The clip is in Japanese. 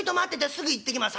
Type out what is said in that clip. すぐ行ってきます。